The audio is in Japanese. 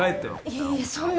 いやいやいやそんな。